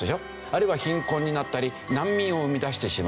あるいは貧困になったり難民を生み出してしまう。